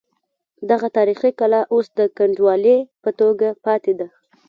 دغه تاریخي کلا اوس د کنډوالې په توګه پاتې ده.